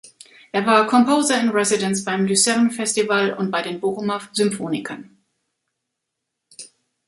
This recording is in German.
Er war Composer in Residence beim Lucerne Festival und bei den Bochumer Symphonikern.